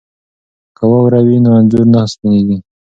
که واوره وي نو انځور نه سپینیږي.